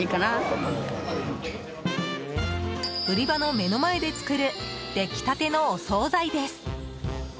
売り場の目の前で作る出来立てのお総菜です。